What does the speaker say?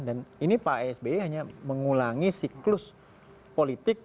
dan ini pak sbi hanya mengulangi siklus politik